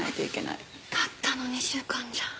たったの２週間じゃ。